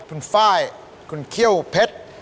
คุณฝ้ายคุณเคี่ยวเผ็ด